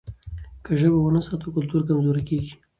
که ژبه ونه ساتو کلتور کمزوری کېږي.